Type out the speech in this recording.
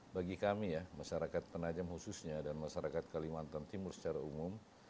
bagi kami ya masyarakat penajam khususnya dan masyarakat kalimantan timur secara umum